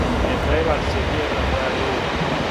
"Не превар' се вјерна моја љубо!"